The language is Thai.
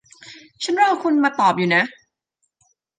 ฉันรอคุณมาตอบอยู่นะ